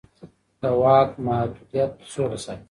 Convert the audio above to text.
د واک محدودیت سوله ساتي